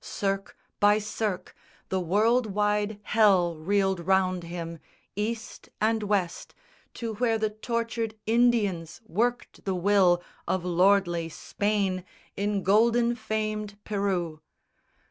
Cirque by cirque The world wide hell reeled round him, East and West, To where the tortured Indians worked the will Of lordly Spain in golden famed Peru.